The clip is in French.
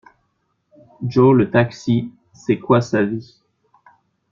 Joe le taxi, c'est quoi sa vie?